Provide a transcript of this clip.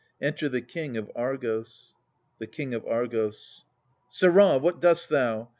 \Enter the King of Argos. The King of Argos. Sirrah, what dost thou